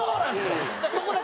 そこだけ。